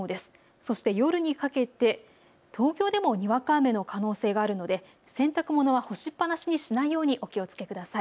そして夜にかけて東京でもにわか雨の可能性があるので洗濯物は干しっぱなしにしないようお気をつけください。